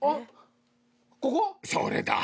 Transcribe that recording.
それだ。